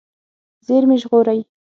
زېرمې ژغورئ.